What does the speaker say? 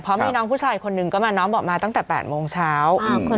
เพราะมีน้องผู้ชายคนนึงก็มาน้องบอกมาตั้งแต่๘โมงเช้า